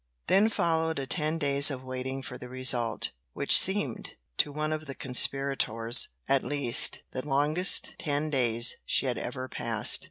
Then followed a ten days of waiting for the result, which seemed to one of the conspirators, at least the longest ten days she had ever passed.